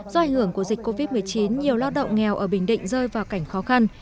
do ảnh hưởng của dịch covid một mươi chín nhiều lao động nghèo ở bình định rơi vào cảnh khó khăn